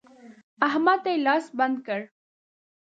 احمد ته يې لاس بند کړ.